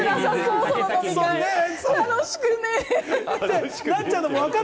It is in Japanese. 楽しくねえ。